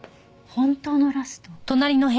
本当のラスト。